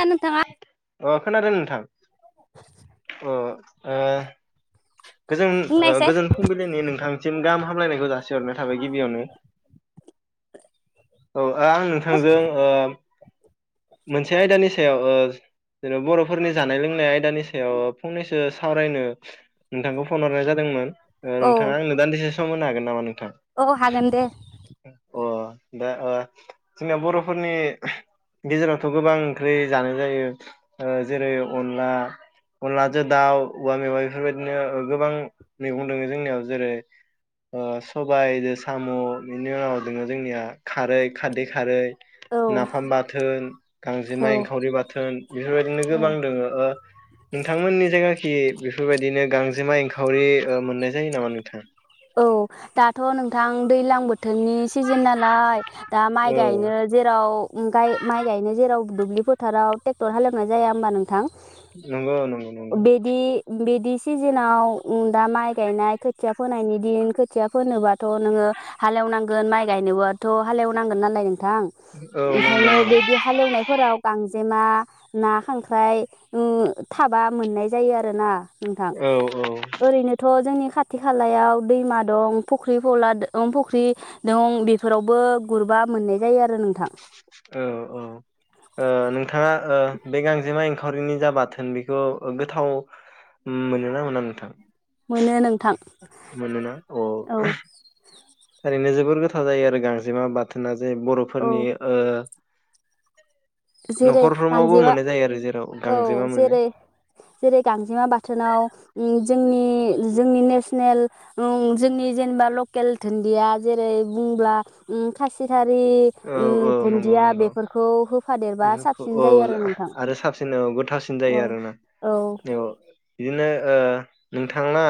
ना नोंथाङा अ खोनादों नोंथां अ ओ गोजोन बुंनायसाय गोजोन फुंबिलिनि नोंथांसिम गाहा हामलायनायखौ जासिहरनाय थाबाय गिबियावनो औ आं नोंथांजों ओ मोनसे आयदानि सायाव ओ जेनबा बर'फोरनि जानाय लोंनाय आयदानि सायाव फंनैसो सावरायनो नोंथांखौ फन हरनाय जादोंमोन औ नोंथाङा आंनो दान डिसिसन खालाम होनो हागोन माने। औ हागोन दे अ दा जोंनिया बर'फोरनि गेजेरावथ' गोबां ओंख्रि जानाय जायो जेरै अनला अनलाजों दाउ औवा मेबा बेफोरबायदिनो गोबां मैगं दङो जोंनियाव जेरै सबायजों साम बेनि उनाव दङो जोंनिया खारै खारदै खारै औ नाफाम बाथोन औ गांजेमा एंखावरि बाथोन बेफोरबायदिनो औ गोबां दङ नोंथांमोननि जायगा खि बेफोरबायदिनो गांजेमा एंखावरि ओ मोननाय जायो नामा नोंथां? औ दाथ नोंथां दैलां बो थोननि सिजोन नालाय दा माइ औ गायनो जेराव गाय माइ गायनो जेराव दुब्लि फोथाराव टेक्टर हालेवनाय जाया ओमबा नोंथां नंगौ नंगौ नंगौ दि सिजोनाव ओ दा माइ गायनाय खोथिया फोनायनि दिन खोथिया फोनोबाथ नोङो हालेवनांगोन माइ गायनोबोथ हालेवनांगोन नालाय। थां औ नंगौ ओंखायनो नंगौ बिदि हालेवनायफोराव गांजे। मा ना खांख्राइ ओ थाबा मोननाय जायो आरो ना नोंथां औ ओरैनोथ' जोंनि खाथि खालायाव। दैमा दं फुख्रि फला द फुख्रि दं बेफोरावबो गुरबा मोननाय जायो आरो नोंथां औ औ ओ नोंथाङा ओ बे गांजेमां एं खावरिनि जा बाथोन बेखौ गोथाव मोनोना मोना नोंथां मोनो नों मोनोना अ। थारैनो जोबोर गोथाव जायो आरो गांजेमा बाथोना जे औ बर'फोरनि ओ। जेरै नखरफ्रोमावबो गांजेमा मोननाय जायो आरो जेराव औ गांजेमा मोनो जेरै जेरै गांजेमा बाथोनाव ओम जोंनि जोंनि नेसनेल ओं जोंनि जेनबा लकेल धोन्दिया जेरै बुंब्ला ओं खासि धा खारि औ ओम औ नंगौ धोन्दिया नंगौ बेफोरखौ होफादेरबा बेफोरखौ साबसिन औ जायो आरो नोंथां आरो औ साबसिन गोथावसिन औ जायो आरोना औ बि नो ओ नोंथाङा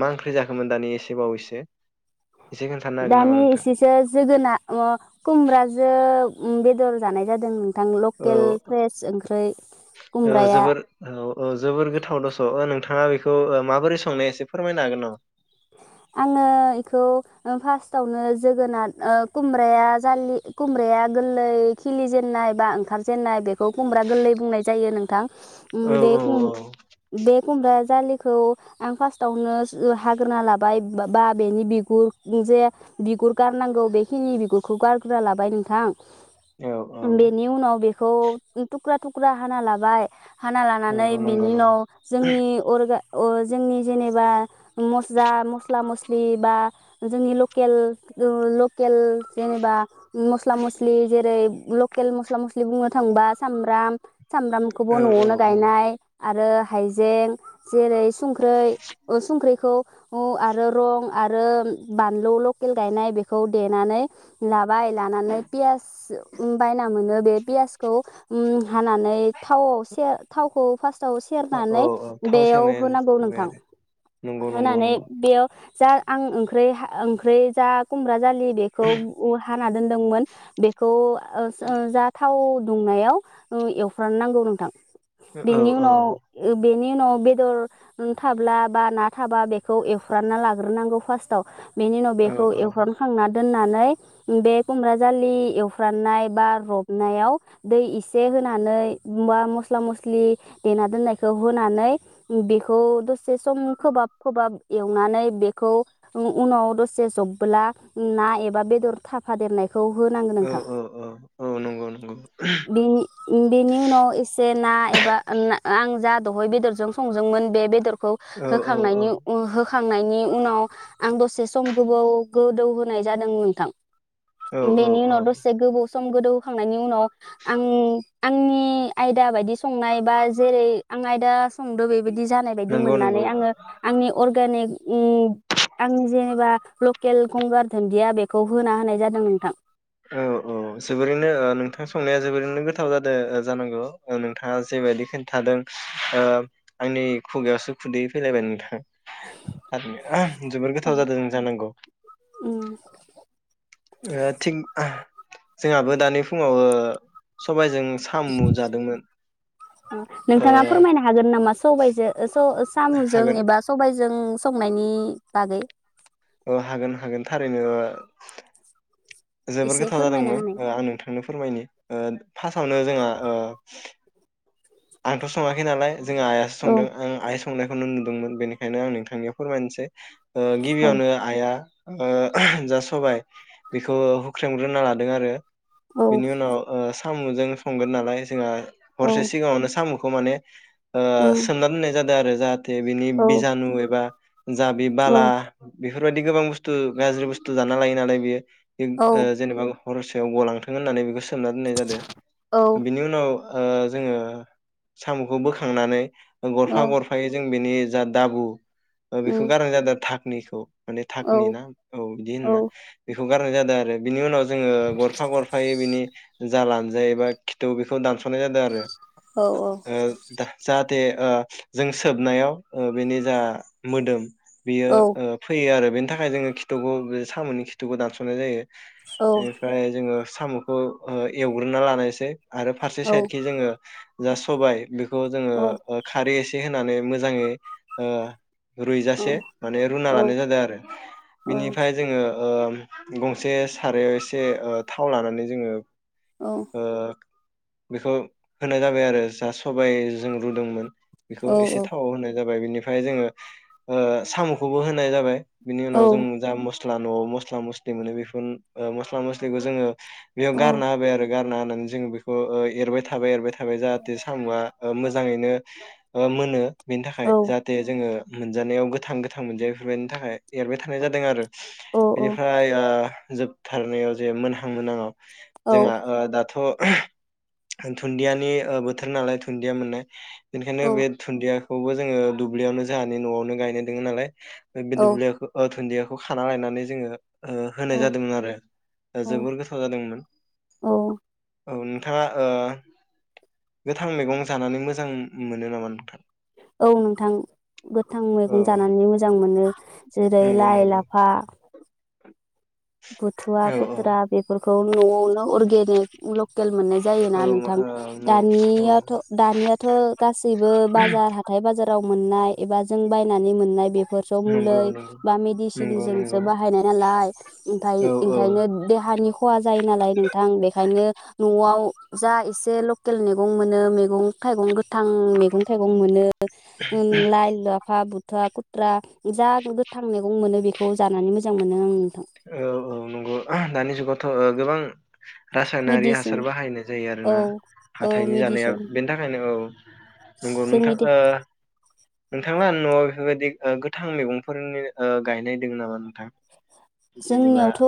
मा ओंख्रि जाखोमोन दानि एसे बावैसो एसे खोन्थानो हागोन नामा दानि नोंथां एसेसो जोगोना [unintelligible] खुमब्राजो बेदर जानाय जादों थां औ लकेल फ्रेस ओंख्रै कुमब्राया अ जोबोर गोथाव दस नोंथाङा बेखौ माबोरै संनाया एसे फोरमायनो हागोन नामा? आङो इखौ फार्स्टावनो जोगोनात ओ कुमब्राया जालि कुमब्राया गोललै खिलिजेननाय बा ओंखार जेन्नाय बेखौ कुमब्रा गोललै बुंनाय जायो नोंथां। औ बे औ कुम बे कुमब्रा जाालिखौ आं फासतावनो स ओ हा गोरना लाबाय बा बेनि बिगुर जे बिगुर गारनांगौ बेखिनि बिगुरखौ गारग्रोना लाबाय नोंथां औ औ बेनि उनाव बेखौ तुक्रा तु क्रा हाना लाबाय हाना लानानै नंगौ नंगौ बेनि नंगौ नाव जोंनि अरगा अ जोंनि जेनेबा मस्ला मस्ला मस्लि बा जोंनि लकेल लकेल जेनेबा मस्ला मस्लि जेरै लकेल मस्ला मस्लि बुंनो थाङोबा सामब्राम सामब्रामखौबो औ नआवनो औ औ गायनाय आरो हाइजें जेरै संख्रै अ संख्रै खौ आरो रं आरो बानलु लकेल गायनाय बेखौ देनानै लाबाय लानानै पियास बायना मोनो बे पियासखौ ओम हानानै थावआव सेर थावखौ फार्सआव थाव औ सेरनानै औ थाव बेयाव सेरना होनांगौ होबाय नोंथां आरो [unintelligible] होनानै नंगौ बेयाव जा आं ओंख्रै हा ओंख्रै जा खुमब्रा जालि बेखौ [unintelligible] हाना दोनदोंमोन बेखौ ओ जा थाव दुंनायाव ओ एवफ्रानो नांगौ नोंथां। औ बेनि औ। उनाव बेनि उनाव बेदर थाब्ला बा ना थाबा बेखौ एवफ्रानना लाग्रोनांगौ फार्स्टआव बेनि उनाव औ बेखौ एवफ्रानखांना दोननानै बे खुमब्रा जालि एवफ्राननाय बा रबनायाव दै एसे होनानै बा मस्ला मस्लि देना दोननायखौ होनानै बेखौ दसे सम खोहाब खोबाब एवनानै बेखौ उनाव दसे जबब्ला ना एबा बेदर थाफादेरनाय खौ होनांगोन औ नोंथां। औ औ नंगौ नंगौ बेनि बेनि उनाव एसे ना एबा आं जा दहाय बेदरजों संदोंमोन बेदर खौ औ हो औ खांनायनि उ हो खांनायनि उनाव आं दसे सम गोबौ गोदौ होनाय जादों नोंथां औ औ बेनि औ उनाव दसे गोबाव सम गोदौहोखांनायनि उनाव आं आंनि आयदा बायदि संनाय बा जेरै आं आयदा संदो बे बिदि जानाय बायदि नंगौ मोननानै नंगौ आङो अर्गेनिक ओम आंनि जेनेबा लकेल गंगार दुन्दिया बेखौ होना होनाय जादों नोंथां। औ औ जोबोरैनो ओ नोंथां संनाया जोबोरैनो गोथाव जादों जानांगौ नोंथाङा जेबायदि खिन्थादों आंनि ओ खुगायावसो खुदैयै फैलायबाय नोंथा। थारैनो जोबोर गोथाव जादों जानांगौ उम ओ थिग जोंहाबो दानि फुङाव ओ सबायजों साम' जादोंमोन ओ नोंथाङा फोरमायनो हागोन नामा स सबायजो ओस थ ओ सामुजों हागोन एबा सबायजों जों संनायनि बागै। औ हागोन हागोन थारैनो। जोबोर एसे गोथाव फोरमायना जादोंमोन होनाय ओ आं नोंथांनो फोरमायनि ओ फार्स्टआवनो जोंहा ओ [inaudible] आंथ सङाखै नालाय जों आइयासो औ संदों ओ आइ स संनायखौ नो नुदोंमोन बेनिखायनो आं नोंथांनियाव फोरमायनोसै। ओ औ गिबियावनो आइआ ओ जा सबाय बेखौ हुख्रेमग्रोना लादों आरो। औ बिनि उनाव ओ सामुजों संगोन नालाय जोङा औ सामुखौ माने ओ उम सोमना दोननाय जादों दा रोजा थे बिनि औ बिजानु एबा जाबि औ बाला बेफोरबायदि गोबां बुस्थु गाज्रि बुस्थु जाना लायो नालाय बियो। औ जेनेबा हरसे बेआव गलांथों होननानै बिखौ सो सोमना दोननाय जादो औ बिनि उनाव ओ जोङो सामुखौ बोखांनानै औ गरफा गरफायै जों बिनि जा दाबु ओ बेखौ उम गारनाय जादों धा निखौ माने औ धाकनि ना औ बिदि औ होनोना हुगारनाय जादो आरो बिनि उनाव जोङो गफा गरफायै बिनि जा लानजाय एबा खिथौ बेखौ दानसनाय जादो औ [unintelligible] ते ओ जों सोबनायाव ओ बेनि जा मोदोम बेयो औ ओ फैयो आरो बेनि थाखाय जोङो खिथुखौ सामुनि खिथुखौ दानसनाय जायो। औ औ इनिफ्राय जोङो सामुखौ ओ एवग्रोना लानायसै आरो फारसे साइदखि जोङो जा सबाय बेखौ जोङो औ ओ खारै एसे होननानै मोजाङै ओ औ रुइजासे माने रुना लानाय औ जादो आरो बिनिफ्राय जोङो उम गंसे सारायाव एसे ओ थाव लानानै जोङो ओ बेखौ होनाय जाबाय आरो जा सबाय जों रुदोंमोन औ बेखौ एसे थाव होनाय जाबाय। बिनिफ्राय जोङो ओ साम'खौबो होनाय जाबाय बिनि उनाव औ जों जा मस स्ला न'आव मस्ला मस्लि मोनो बेफोर ओ मस्ला मस्लिखौ जोङो बेयाव गारना होबाय आरो गारना होनानै जोंङो बेखौ ओ एरबाय था थाबाय एरबायथा थाबाय जाहाथे सामआ ओ मोजाङैनो ओ मोनो बेनि थाखाय जाहाथे जोङो मोनजानायाव गोथां गोथां मोनजायो बेफोरबायदिनि थाखाय एरबाय थानाय जादों आरो बेनिफ्राय ओ जोबथारनायाव जे मोनहां मोनाङाव जोंहा ओ दाथ' [inaudible] दुन्दियानि ओ बोथोर नालाय दुन्दिया मोननाय बेनिखायनो बे दुन्दिया। खौबो जोङो दुब्लियावनो जोंहानि न'आवनो गायनाय दोङो नालाय [unintelligible] दुन्दियाखौ खाना लायनानै जोङो ओ होनाय जादोंमोन आरो औ जोबोर गोथाव जादोंमोन औ औ नोंथाङा ओ गोथां मैगं जानानै मोजां मोनो नामा नोंथां औ नोंथां गोथां औ मैगं जानानै मोजां मोनो जेरै नंगौ लाइ नंगौ लाफा गुथुवा औ औ गुथ्रा बेफोर औ न'आव अरगेनिक लकेल मोननाय जायोना औ नोंथां ओ न औ दानियाथ' दानियाथ' गासैबो बाजार हाथाइ बाजाराव मोननाय एबा जों बायनानै मोननाय बे फोरस' मुलै नंगौ नंगौ बा नंगौ मेडिसिनजोंसो नंगौ बाहायनाय नालाय ओमफाय औ औ ओंखायनो देहानि खहा जायो नालाय नोंथां बेखाय न'आव जा एसे लकेल मैगं मोनो मैगं थाइगं गो थां मैगं थाइगं मोनो ओ लाइ ला लाफा बुथुआ खुथ्रा जा गोथां मैगं मोनो बेखौ जानानै मोजां मोनो आं नोंथां। औ औ नंगौ दानि जुगावथ' गोबां। रासायनारि मेडिसिन हासार बाहायनाय जायो औ आरोना औ हाथाइनि जानाया मेडिसिन बेनि थाखायनो औ। नंगौ नोंथां जोंनि दे ओ। नोंथाङा नआव बेफोरबायदि गोथां मैगंफोरनि गायनाय दङ नामा नोंथां। जेनेबा जोंनियावथ'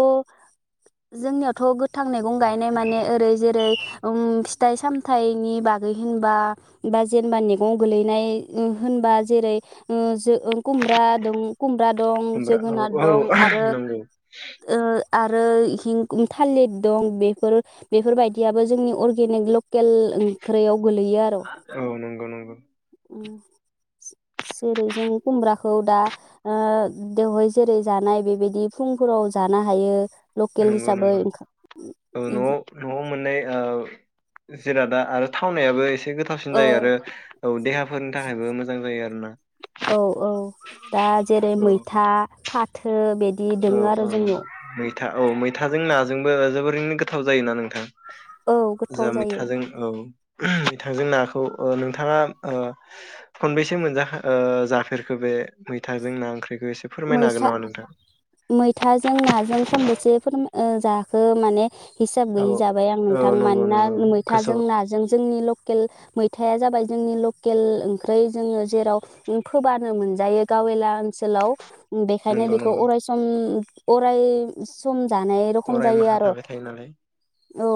जोंनियावथ' गोथां मैगं गायनाय माने ओरै जेरै- ओम फिथाइ सामथाइनि बागै होनबा बा जेनेबा मैगं गोलैनाय होनबा जेरै ओ जो ओं खुमब्रा दं खुमब्रा दं खुमब्रा औ जोगोनार औ दं आरो नंगौ ओ आरो थालिर दं बेफोर बेफोरबायदियाबो जोंनि अर्गेनिक लकेल ओंख्रियाव गोलैयोआरो। [unintelligible] जेरै- जों खुमब्राखौ दा ओ बेवहाय जेरै- जानाय बेबायदि फुंफोराव जानो हायो। लकेल नंगौ हिसाबै नंगौ ओंखाम औ न'आव न'आव मोननाय ओ। जिरादा आरो थावनायाबो एसे एसे गोथावसिन जायो आरो औ औ देहाफोरनि थाखायबो मोजां जायो आरो ना औ औ। थो बिदि दं आरो जोंनियाव। था औ मैथाजों नाजोंबो जोबोरैनो गोथाव जायोना नोंथां। औ गोथाव जाह जायो मैथाजों औ मैथाजों नाखौ ओ नोंथाङा ओ खनबेसो मोनजा ओ जाफेरखो बे मैथांजों ना ओंख्रिखौ। एसे फोरमायनो हागोन मैसा नामा नोंथां। मैथाजों नाजों खनबसे फोर ओ जाखो माने। हिसाब औ गैयि जाबाय आं नोंथां औ नंगौ मानोना नंगौ मैथाजों गोसोआव नाजों जोंनि लकेल। मैथाया जाबाय जोंनि लकेल ओंख्रै जोङो जेराव फोबानो मोनजायो गावेला ओनसोलाव। बेखायनो नंगौ बेखौ नंगौ अराय सम अराय सम जानाय रखम अराय जायो माहा आरो थाबाय थायो नालाय औ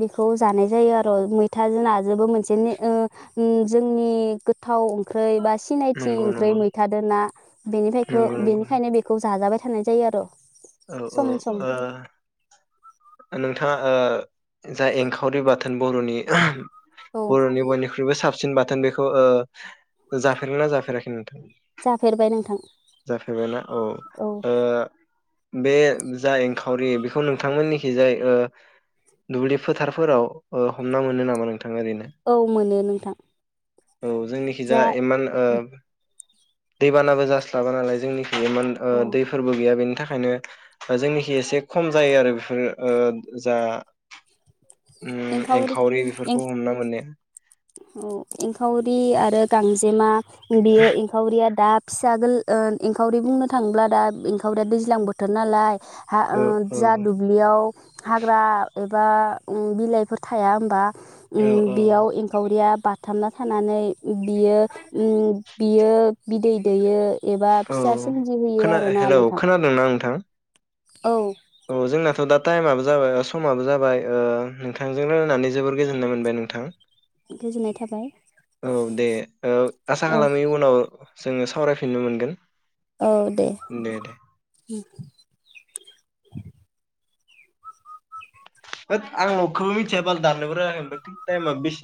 बेखौ जानाय जायो आरो मैथाजों नाजोंबो मोनसे ओ जोंनि गोथाव। ओंख्रै बा सिनायथि नंगौ ओंख्रि नंगौ मैथाजों ना बेनिफ्राय। नंगौ नंगौ बेनिखायनो बेखौ जाजाबाय थानाय जायो आरो। औ औ सम सम [inaudible] ओ नोंथाङा ओ। जा एंखावरि बाथोन बरनि औ बर'नि बयनिख्रुइबो साब सिन बाथोन बेखौ ओ जाफेरो ना जाफेराखै नोंथां? जाफेरबाय नोंथां जफेरबायना औ ओ बे जा एंखावरि बेखौ नोंथांमोननिखि जाय ओ दुब्लि फोथारफोराव ओ हमना मोनो नामा नों औ मोनो नोंथां। औ जोंनिखिजा जा इमान ओ दैबानाबो जास्लाबा नालाय जोंनि [unintelligible] ओ औ दैफोरबो गैया बेनि थाखाय। खायनो ओ जोंनिखि एसे खम जायो आरो बेफोरो ओ जा उम एंखावरि बेफोरखौ एंख हमना मोननाया औ एंखावरि आरो गांजेमा इदियो एंखावरिया दाब फिसा गोल ओ एंखावरि बुंनो थाङोब्ला दा एंखावरिया दैज्लां बोथोर नालाय हा ओ औ औ जा दुब्लियाव हाग्रा एबा ओं बिलाइफोर थाया होमबा? औ ओं बेयाव एंखावरियाब बाथाबना थानानै बियो ओ बियो बिदै दैयो एबा औ फिसा सोमजिहोयो खोना आरोना हेलौ नोंथां खोनादोंना नोंथां? औ औ जोंनाथ' दा टाइमाबो जाबाय समाबो जाबाय ओ नोंथांजों रायलायनानै जोबोर गोजोननाय मोनबाय नोंथां। गोजोननाय थाबाय औ दे ओ आसा औ खालामो इउनाव जोंङो सावरायफिननो मोनगोन। औ दे। उम होद आं लगखौबो मिथिया बाल दाननोबो राखै ओमफाय टाइमा बेसे